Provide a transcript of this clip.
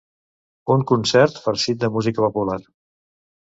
Un concert farcit de música popular.